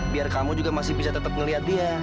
biar kamu juga masih bisa tetap melihat dia